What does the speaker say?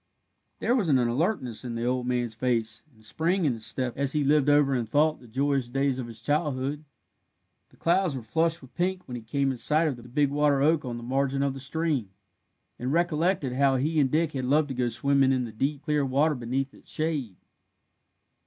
There was an alertness in the old man's face and a spring in his step as he lived over in thought the joyous days of his childhood. The clouds were flushed with pink when he came in sight of the big water oak on the margin of the stream, and recollected how he and Dick had loved to go swimming in the deep, clear water beneath its shade.